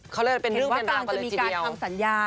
เขาเล่นเป็นเรื่องแม่นามมารั้งจิตเดียว